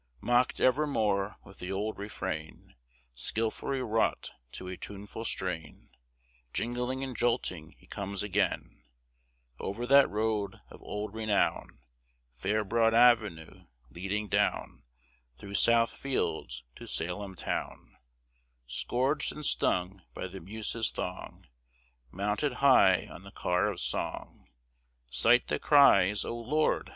Mocked evermore with the old refrain, Skilfully wrought to a tuneful strain, Jingling and jolting he comes again Over that road of old renown, Fair broad avenue, leading down Through South Fields to Salem town, Scourged and stung by the Muses' thong, Mounted high on the car of song, Sight that cries, O Lord!